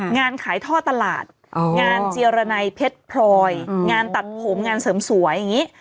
งานขายท่อตลาดงานเจียรนัยเพชรพลอยงานตัดผมงานเสริมสวยอย่างนี้